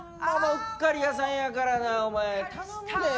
うっかり屋さんやからなお前頼むで。